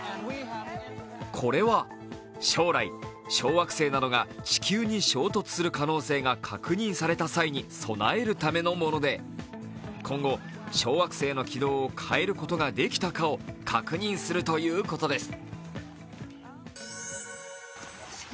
これは将来、小惑星などが地球に衝突する可能性が確認された際に備えるためのもので、今後、小惑星の軌道を変えることができたかを確認するということです。